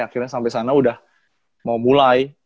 akhirnya sampai sana udah mau mulai